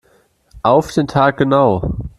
Auf den Tag genau.